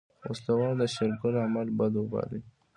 وسله وال د شېرګل عمل بد وباله.